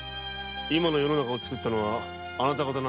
今の世の中を作ったのはあなた方だ。